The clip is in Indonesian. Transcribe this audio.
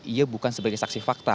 ia bukan sebagai saksi fakta